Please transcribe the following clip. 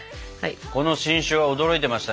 この新種は驚いてましたね。